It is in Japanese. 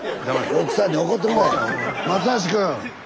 奥さんに怒ってもろえ！